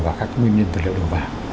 và các nguyên nhân vật liệu đầu vào